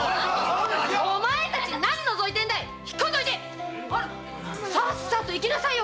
お前たち何のぞいてるんだい！